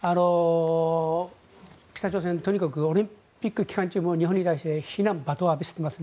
北朝鮮とにかくオリンピック期間中も日本に対して非難、罵倒を浴びせていますね。